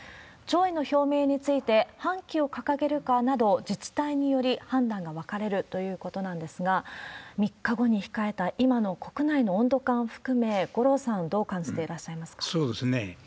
弔意の表明について、半旗を掲げるかなど、自治体により判断が分かれるということなんですが、３日後に控えた今の国内の温度感を含め、五郎さん、そうですね。